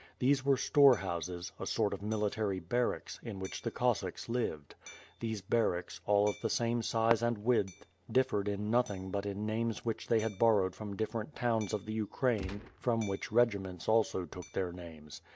These were storehouses, a sort of military ])arracks, in which the (.•ossacks lived. These barracks, all of the same size and width, differed in nothing but in names whi<*h they had bor rowed from different towns of the Ukraine from which regi ments also took their names.